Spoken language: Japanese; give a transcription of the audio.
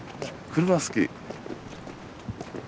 車好き。